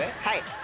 はい。